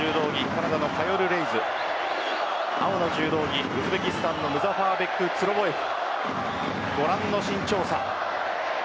カナダのカヨル・レイズ青の柔道着ウズベキスタンのムザファーベック・ツロボエフご覧の身長差。